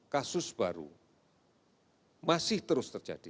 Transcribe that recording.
kasus baru masih terus terjadi